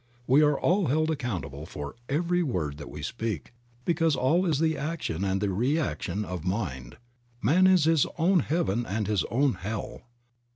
We are all held accountable for every word that we speak because all is the action and the reaction of mind. Man is his own heaven and his own hell.